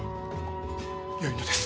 よいのです。